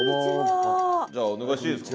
じゃあお願いしていいですか。